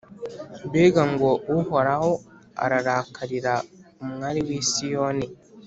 Mbega ngo Uhoraho ararakarira umwari w’i Siyoni,